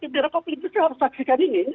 harus saksikan ini